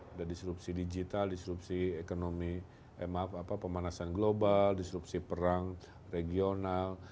ada disrupsi digital disrupsi ekonomi pemanasan global disrupsi perang regional